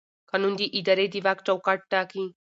قانون د ادارې د واک چوکاټ ټاکي.